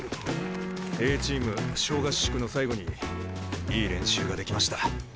Ａチーム小合宿の最後にいい練習ができました。